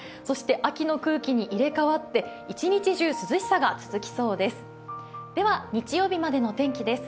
秋の空気に入れ代わって一日中、涼しさが続きそうです。